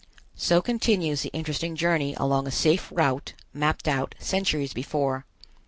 So continues the interesting journey along a safe route mapped out centuries before.